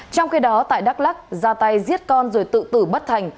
trong khi đó tại đắk lắc ra tay giết con rồi tự tử bất thành